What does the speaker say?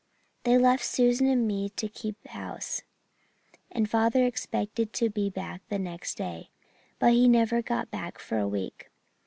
They left Susan and me to keep house, and father expected to be back the next day. But he never got back for a week.